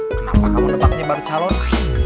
kenapa kamu tempatnya baru calon